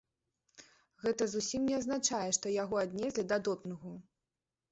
Гэта зусім не азначае, што яго аднеслі да допінгу.